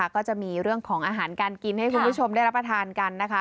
ก็จะมีเรื่องของอาหารการกินให้คุณผู้ชมได้รับประทานกันนะคะ